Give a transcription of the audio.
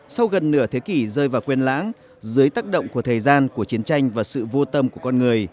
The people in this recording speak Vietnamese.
sau gần nửa thế kỷ rơi vào quên lãng dưới tác động của thời gian của chiến tranh và sự vô tâm của con người